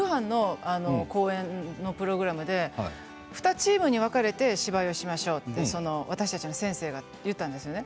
これは夜班の公演プログラムで２チームに分かれて芝居をしましょうと私たちの先生が言ったんですね。